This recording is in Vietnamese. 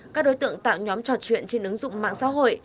các đối tượng tạo nhóm trò chuyện trên ứng dụng mạng xã hội